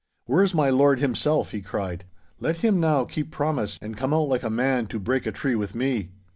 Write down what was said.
'Where is my lord himself?' he cried. 'Let him now keep promise, and come out like a man to break a tree with me!